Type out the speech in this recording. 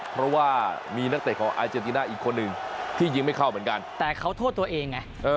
เพราะว่ามีนักเตะของอาเจนติน่าอีกคนหนึ่งที่ยิงไม่เข้าเหมือนกันแต่เขาโทษตัวเองไง